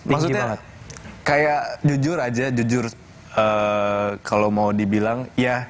maksudnya kayak jujur aja jujur kalau mau dibilang ya